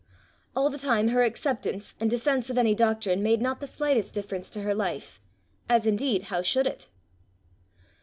All the time her acceptance and defence of any doctrine made not the slightest difference to her life as indeed how should it?